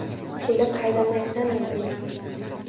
Kelib haydamaysanmi buni!